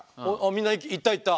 みんな行った行った。